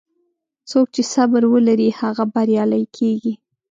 څوک چې صبر ولري، هغه بریالی کېږي.